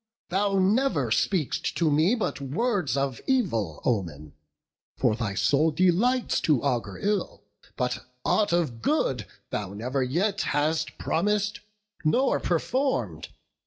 thou never speak'st to me But words of evil omen; for thy soul Delights to augur ill, but aught of good Thou never yet hast promis'd, nor perform'd.